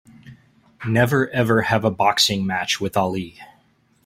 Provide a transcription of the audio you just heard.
Never ever have a boxing match with Ali!